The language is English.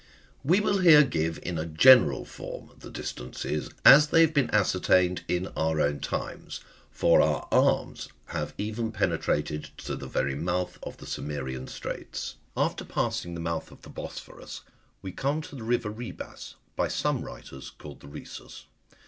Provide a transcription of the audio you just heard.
We will here give in a general form the distances as they have been ascertained in our own times ; for our arms have even penetrated to the very mouth of the Cimmerian Straits. After passing the mouth of the Bosporus we come to the river Rhebas,^ by some writers called the Rhesus.